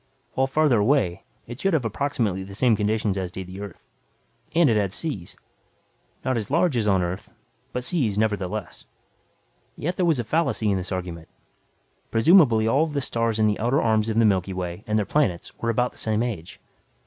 While farther away it should have approximately the same conditions as did the Earth. And it had seas, not as large as on Earth, but seas, nevertheless. Yet there was a fallacy in the argument. Presumably all of the stars in the outer arms of the Milky Way and their planets were about the same age.